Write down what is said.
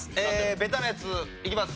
ベタなやついきます。